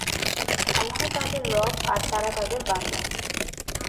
আল্লাহ তাদের রব আর তারা তাদের বান্দা।